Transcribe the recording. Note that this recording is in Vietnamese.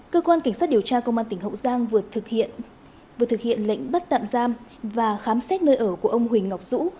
cơ quan cảnh sát điều tra công an tỉnh hậu giang vừa thực hiện lệnh bắt tạm giam và khám xét nơi ở của ông huỳnh ngọc dũ